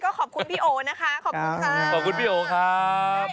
ขอบคุณพี่โอนะคะขอบคุณค่ะขอบคุณพี่โอครับ